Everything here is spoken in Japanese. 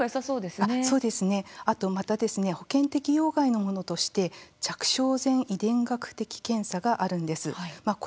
そうですね、あとまた保険適用外のものとして着床前遺伝学的検査があるんです。